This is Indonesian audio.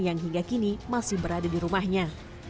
yang hingga kini masih berada di rumahnya